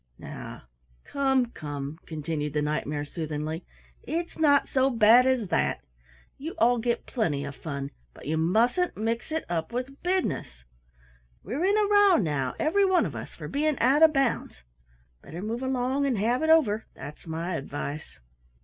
"Now, come, come," continued the Knight mare soothingly, "it's not so bad as that. You all get plenty of fun, but you mustn't mix it up with business. We're in a row now, every one of us, for being out of bounds. Better move along and have it over, that's my advice."